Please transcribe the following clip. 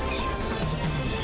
tetaplah bersama prime news